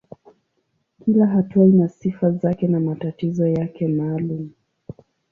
Kila hatua ina sifa zake na matatizo yake maalumu.